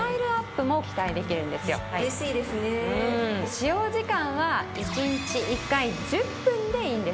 使用時間は１日１回１０分でいいんですよ。